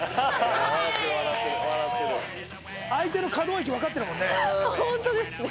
相手の可動域分かってるもんね